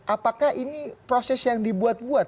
apakah ini proses yang dibuat buat